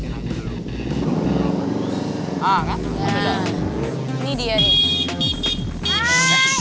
ini dia nih